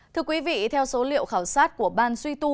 thưa quý vị theo số liệu khảo sát của ban suy tu